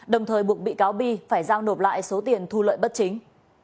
đồng thời buộc bị cáo bi phải giao nộp lại số tiền thu lợi bất chính